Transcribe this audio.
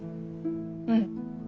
うん。